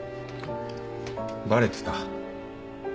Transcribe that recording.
バレてた？